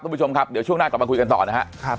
คุณผู้ชมครับเดี๋ยวช่วงหน้ากลับมาคุยกันต่อนะครับ